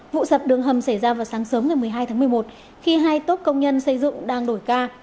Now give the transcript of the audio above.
vụ sập đường hầm xảy ra vào sáng sớm ngày một mươi hai tháng một mươi một khi hai tốt công nhân xây dựng đang đổi ca